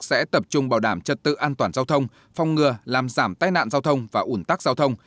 sẽ tập trung bảo đảm trật tự an toàn giao thông phong ngừa làm giảm tai nạn giao thông và ủn tắc giao thông